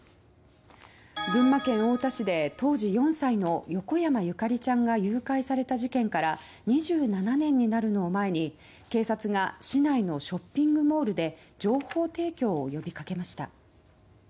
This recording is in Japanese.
群馬県太田市で当時４歳の横山ゆかりちゃんが誘拐された事件から２７年になるのを前に警察が市内のショッピングモールで情報提供を呼びかけました。